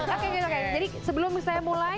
oke jadi sebelum saya mulai